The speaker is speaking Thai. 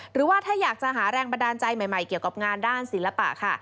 หรือว่าถ้าอยากจะหาแรงบันดาลใจใหม่เกี่ยวกับงานด้านศิลปะค่ะ